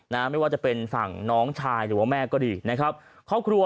ไม่ว่าจะเป็นฝั่งน้องชายหรือว่าแม่ก็ดีนะครับครอบครัว